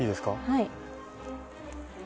はい。